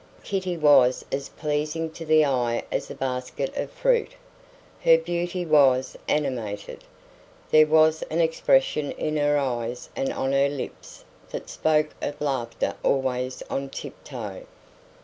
Kitty was as pleasing to the eye as a basket of fruit. Her beauty was animated. There was an expression in her eyes and on her lips that spoke of laughter always on tiptoe.